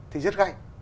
thì rất gây